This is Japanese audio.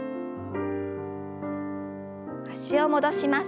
脚を戻します。